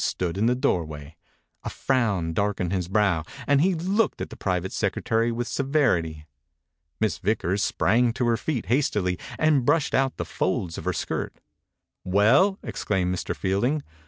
Fielding stood in the doorway 1 A frown darkened his brow and he looked at the private secretary with severity. Miss Vickers sprang to her feet hastily and brushed out the folds of her skirt. "Well!" exclaimed Mr.Field ing.